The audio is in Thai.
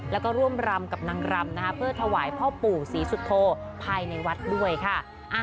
แล้วก็ร่วมรำกับนางรำนะคะเพื่อถวายพ่อปู่ศรีสุโธภายในวัดด้วยค่ะ